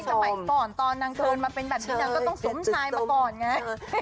สมัยก่อนตอนนางเกินมาเป็นแบบนี้นางก็ต้องสมชายมาก่อนไง